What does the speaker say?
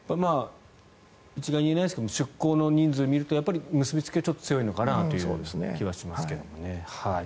一概には言えないですが出向の人数を見ると結びつきはちょっと強いのかなという気はしますけどね。